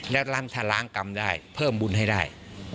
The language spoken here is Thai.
แล้วล้างชาล้างกรรมได้เพิ่มบุญให้ได้